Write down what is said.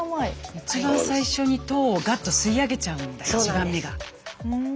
一番最初に糖をガッと吸い上げちゃうんだ１番目が。